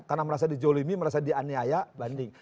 karena merasa dijolimi merasa dianiaya banding